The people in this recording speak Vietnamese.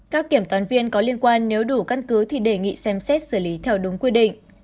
các kiểm toán viên có liên quan nếu đủ căn cứ thì đề nghị xem xét xử lý theo đúng quy định